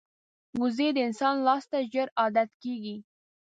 وزې د انسان لاس ته ژر عادت کېږي